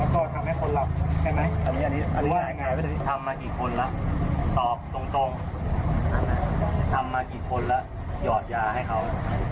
ทำมากี่คนล่ะตอบตรงทำมากี่คนล่ะหยอดยาให้เขา